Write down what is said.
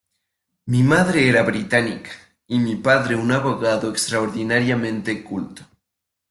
Mi madre era británica y mi padre, un abogado extraordinariamente culto.